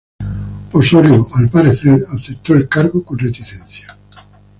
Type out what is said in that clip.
Osorio, al parecer, aceptó el cargo con reticencia.